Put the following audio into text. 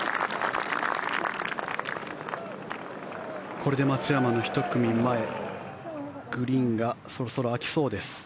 これで松山の１組前、グリーンがそろそろ空きそうです。